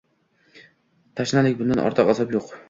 Tashnalik! Bundan ortiq azob yo‘q